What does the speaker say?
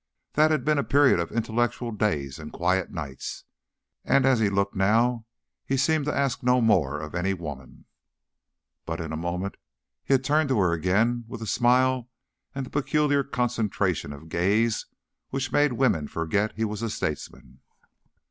That had been a period of intellectual days and quiet nights. And as he looked now, he seemed to ask no more of any woman. But in a moment he had turned to her again with the smile and the peculiar concentration of gaze which made women forget he was a statesman.